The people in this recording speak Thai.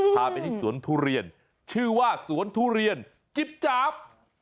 พาไปที่สวนทุเรียนชื่อว่าสวนทุเรียนจิ๊บจ๊าบ